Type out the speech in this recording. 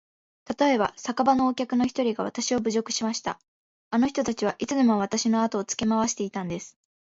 たとえば、酒場のお客の一人がわたしを侮辱しました。あの人たちはいつでもわたしのあとをつけ廻していたんです。